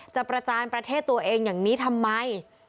ประจานประเทศตัวเองอย่างนี้ทำไม